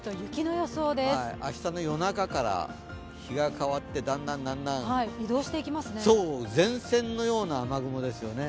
明日の夜中から、日が変わってだんだんだんだん前線のような雨雲ですよね。